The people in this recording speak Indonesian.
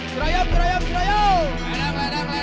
surayam surayam surayam